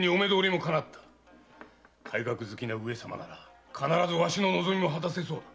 改革好きの上様なら必ずわしの望みも果たせそうだ。